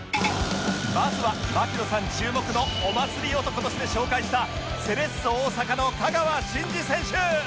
まずは槙野さん注目のお祭り男として紹介したセレッソ大阪の香川真司選手